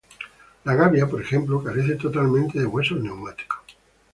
La gavia, por ejemplo, carece totalmente de huesos neumáticos.